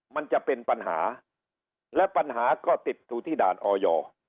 มันจะเป็นปัญหาและปัญหาก็ติดอยู่ที่ด่านออย